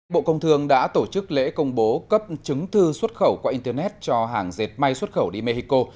bộ công thương đã tổ chức lễ công bố cấp chứng thư xuất khẩu qua internet cho hàng dệt may xuất khẩu đi mexico